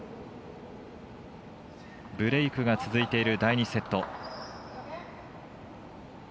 ブレークが続いている第２セット。